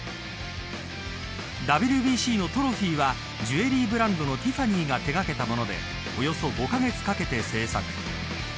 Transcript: ＷＢＣのトロフィーはジュエリーブランドのティファニーが手掛けたものでおよそ５カ月かけて製作。